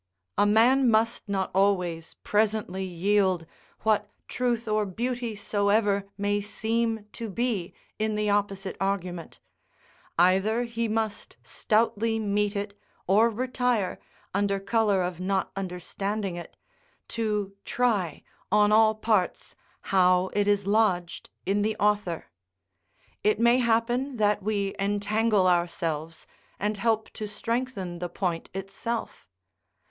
A man must not always presently yield, what truth or beauty soever may seem to be in the opposite argument; either he must stoutly meet it, or retire, under colour of not understanding it, to try, on all parts, how it is lodged in the author. It may happen that we entangle ourselves, and help to strengthen the point itself.